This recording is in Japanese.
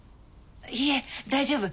いいえ大丈夫。